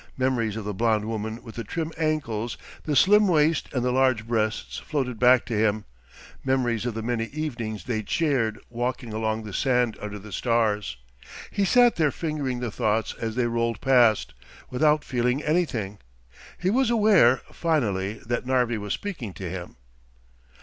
Memories of the blond woman with the trim ankles, the slim waist and the large breasts floated back to him; memories of the many evenings they'd shared walking along the sand under the stars. He sat there fingering the thoughts as they rolled past, without feeling anything. He was aware, finally, that Narvi was speaking to him.